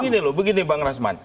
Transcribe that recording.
begini loh begini bang rasman